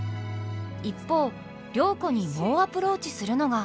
一方良子に猛アプローチするのが。